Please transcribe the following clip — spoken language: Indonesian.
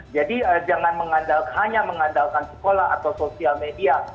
jadi jangan hanya mengandalkan sekolah atau sosial media